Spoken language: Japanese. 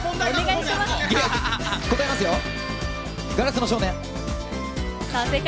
答えますよ「硝子の少年」！